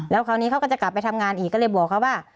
แล้วคราวนี้เขาก็จะกลับไปทำงานอีกก็เลยบอกเขาว่า